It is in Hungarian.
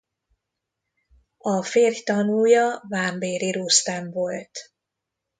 A férj tanúja Vámbéry Rusztem volt.